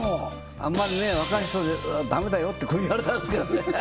あんまりね若い人はダメだよ！ってこう言われたんですけどね